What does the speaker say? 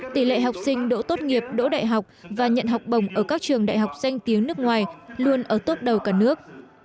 tỷ lệ học sinh đỗ tốt nghiệp đỗ đại học và nhận học bổng ở các trường đại học danh tiếng nước ngoài luôn ở tốt đầu cả nước